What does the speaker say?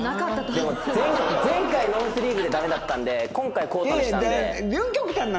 でも前回ノースリーブでダメだったんで今回コートにしたんで。